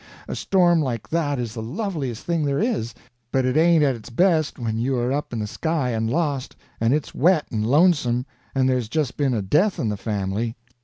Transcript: A storm like that is the loveliest thing there is, but it ain't at its best when you are up in the sky and lost, and it's wet and lonesome, and there's just been a death in the family.